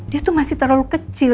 dia tuh masih terlalu kecil